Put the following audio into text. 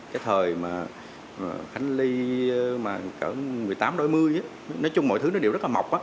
cái thời mà khánh ly mà cỡ một mươi tám đổi mươi nói chung mọi thứ nó đều rất là mọc